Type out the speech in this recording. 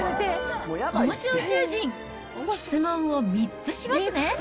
おもしろ宇宙人、質問を３つしますね。